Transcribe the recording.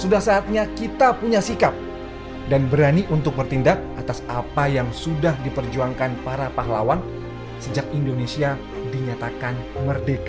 sudah saatnya kita punya sikap dan berani untuk bertindak atas apa yang sudah diperjuangkan para pahlawan sejak indonesia dinyatakan merdeka